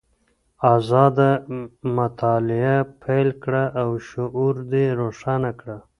ازاده مطالعه پیل کړه او شعور دې روښانه کړه.